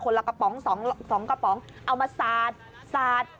คนละกระป๋องสองกระป๋องเอามาสาด